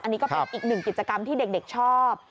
อันนี้ก็เป็นอีกหนึ่งกิจกรรมที่เด็กชอบ